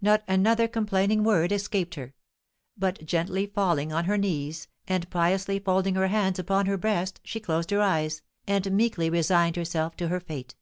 Not another complaining word escaped her; but gently falling on her knees, and piously folding her hands upon her breast, she closed her eyes, and meekly resigned herself to her fate.